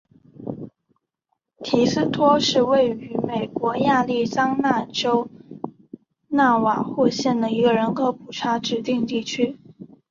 提斯托是位于美国亚利桑那州纳瓦霍县的一个人口普查指定地区。